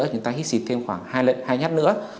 chúng ta hít xịt thêm khoảng hai lần hai nhát nữa